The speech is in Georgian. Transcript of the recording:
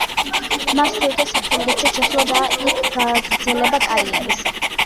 მას სურდა საფრანგეთში ჩასვლა და იქ გაგრძელება კარიერისა.